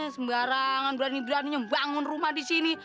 sembarangan berani berani membangun rumah di sini